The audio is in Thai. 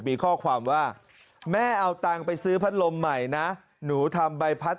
มีข้อความว่าแม่เอาตังค์ไปซื้อพัดลมใหม่นะหนูทำใบพัด